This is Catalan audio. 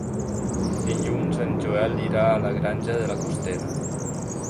Dilluns en Joel irà a la Granja de la Costera.